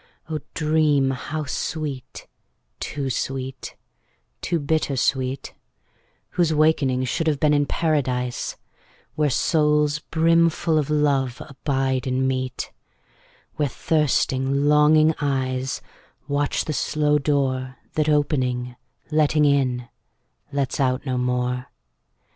O dream how sweet, too sweet, too bitter sweet, Whose wakening should have been in Paradise, Where souls brimful of love abide and meet; Where thirsting longing eyes Watch the slow door That opening, letting in, lets out no more.